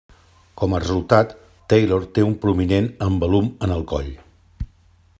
Com a resultat, Taylor té un prominent embalum en el coll.